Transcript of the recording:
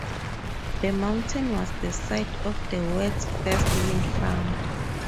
The mountain was the site of the world's first wind farm.